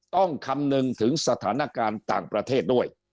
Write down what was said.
คำนึงถึงสถานการณ์ต่างประเทศด้วย